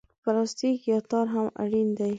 پلاستیک یا تار هم اړین دي.